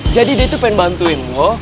jadi dia tuh pengen bantuin lo